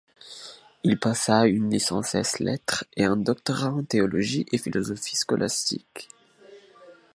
Il passa une licence ès lettres et un doctorat en théologie et philosophie scolastique.